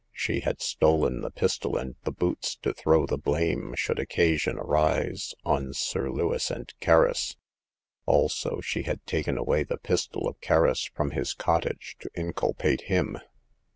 She had stolen the pistol and the boots to throw the blame, should occasion arise, on Sir Lewis and Kerris. Also, she had taken away the pistol of Kerris from his cottage to inculpate him.